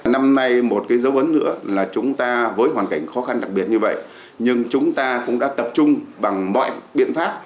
năm nay một dấu ấn nữa là chúng ta với hoàn cảnh khó khăn đặc biệt như vậy nhưng chúng ta cũng đã tập trung bằng mọi biện pháp